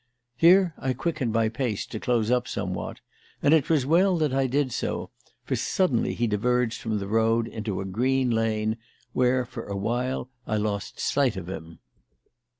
Here I quickened my pace to close up somewhat, and it was well that I did so, for suddenly he diverged from the road into a green lane, where for a while I lost sight of him.